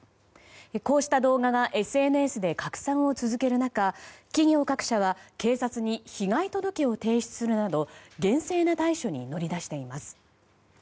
こうした動画がＳＮＳで拡散を続ける中企業各社は警察に被害届を提出するなど厳正な対処に乗り出しています。